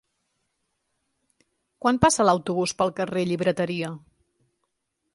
Quan passa l'autobús pel carrer Llibreteria?